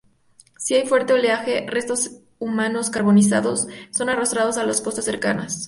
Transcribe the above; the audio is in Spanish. Si hay fuerte oleaje, restos humanos carbonizados son arrastrados a las costas cercanas.